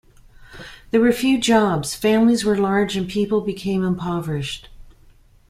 There were few jobs, families were large and people became impoverished.